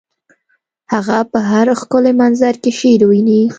هغه په هر ښکلي منظر کې شعر ویني